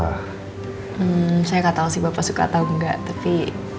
hmm saya nggak tahu bapak suka atau nggak tapi